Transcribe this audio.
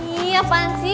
iya apaan sih